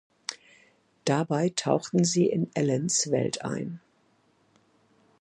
Dabei tauchten sie in Allens Welt ein.